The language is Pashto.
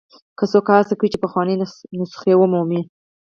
که څوک هڅه کوي چې پخوانۍ نسخې ومومي.